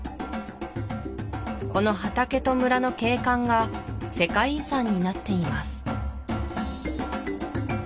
この畑と村の景観が世界遺産になっています